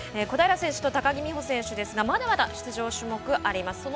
小平選手と高木美帆選手ですがまだまだ出場種目があります。